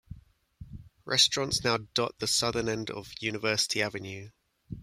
Restaurants now dot the southern end of University Avenue.